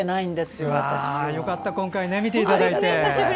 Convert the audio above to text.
よかった今回、見ていただいて。